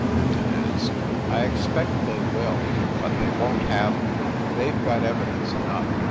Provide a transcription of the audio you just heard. Fenton asked. "I expect they will, but they won t have me. They ve got evidence enough.